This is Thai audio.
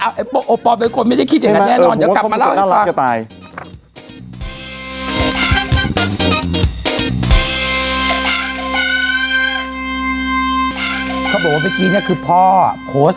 โอปอล์เป็นคนไม่ได้คิดอย่างงั้นแน่นอน